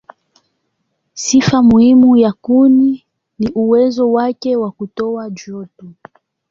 Sifa muhimu ya kuni ni uwezo wake wa kutoa joto.